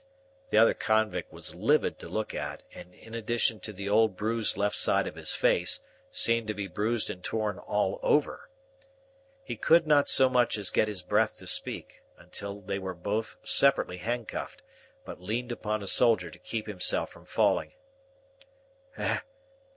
The other convict was livid to look at, and, in addition to the old bruised left side of his face, seemed to be bruised and torn all over. He could not so much as get his breath to speak, until they were both separately handcuffed, but leaned upon a soldier to keep himself from falling.